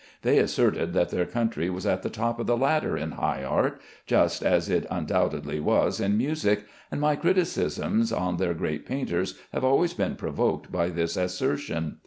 They asserted that their country was at the top of the ladder in high art, just as it undoubtedly was in music, and my criticisms on their great painters have always been provoked by this assertion.